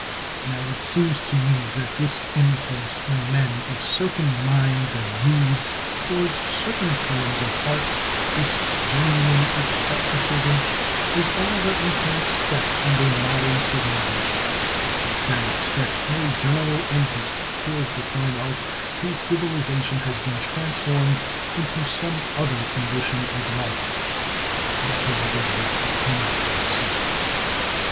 Now it seems to me that this impulse in men of certain minds and moods towards certain forms of art, this genuine eclecticism, is all that we can expect under modern civilisation; that we can expect no general impulse towards the fine arts till civilisation has been transformed into some other condition of life, the details of which we cannot foresee.